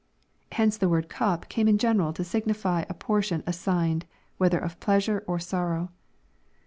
Hence the word ' cup* came in genoral to signify a portion as signed, whether of pleasure or sorrow."